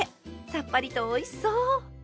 さっぱりとおいしそう！